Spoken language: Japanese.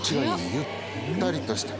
ゆったりとした。